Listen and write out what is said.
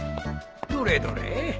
どれどれ？